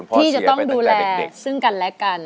ที่จะต้องดูแลซึ่งกันและกัน